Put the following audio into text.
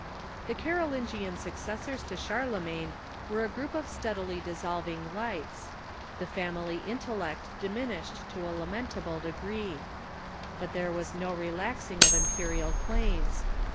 The Carolingian successors to Charlemagne were a group of steadily dissolving lights. The family intellect diminished to a lamentable degree. But there was no relaxing of imperial claims.